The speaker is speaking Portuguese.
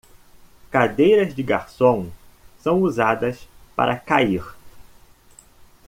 Cadeiras de garçom são usadas para cair